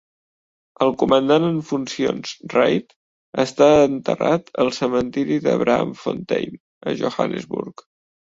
El comandant en funcions Reid està enterrat al cementiri de Braamfontein, a Johannesburg.